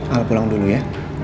al pulang dulu ya